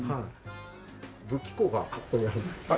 武器庫がここにあります。